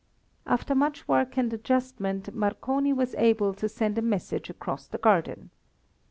After much work and adjustment Marconi was able to send a message across the garden.